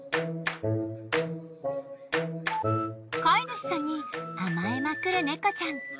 飼い主さんに甘えまくる猫ちゃん。